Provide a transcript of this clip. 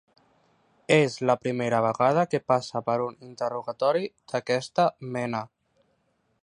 És la primera vegada que passa per una interrogatori d'aquesta mena.